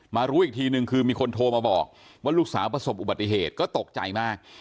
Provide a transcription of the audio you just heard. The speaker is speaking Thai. รู้อีกทีนึงคือมีคนโทรมาบอกว่าลูกสาวประสบอุบัติเหตุก็ตกใจมาก